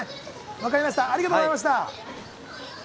分かりました、ありがとうございました。